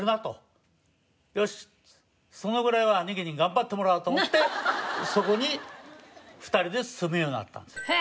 よしそのぐらいは兄貴に頑張ってもらおうと思ってそこに２人で住むようになったんですよ。